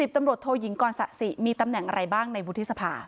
๑๐ตำรวจโทยิงก่อนศักดิ์สิมีตำแหน่งอะไรบ้างในบุธิศภา